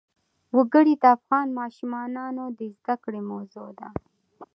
وګړي د افغان ماشومانو د زده کړې موضوع ده.